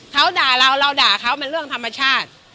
เขาด่าเราเราด่าเขามันเรื่องธรรมชาติ